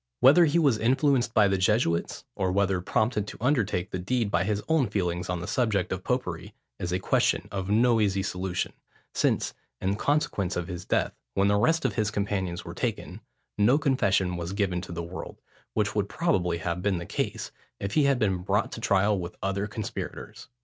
Whether he was influenced by the Jesuits, or whether prompted to undertake the deed by his own feelings on the subject of popery, is a question of no easy solution, since, in consequence of his death, when the rest of his companions were taken, no confession was given to the world, which would probably have been the case, if he had been brought to trial with the other conspirators.